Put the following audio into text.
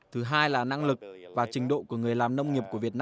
thứ hai là năng lực và trình độ của người làm nông nghiệp của việt nam